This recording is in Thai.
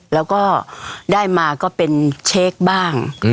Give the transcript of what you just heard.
แล้วก็ได้มาก็เป็นเช็คบ้าง